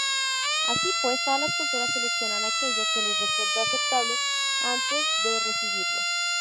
Así, pues, todas las culturas seleccionan aquello que les resulta aceptable, antes de recibirlo.